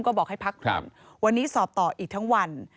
ก็บอกให้พักผ่อนวันนี้สอบต่ออีกทั้งวัน